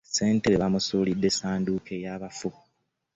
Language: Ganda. Sssentebe bamusulide esanduuke y'abafu.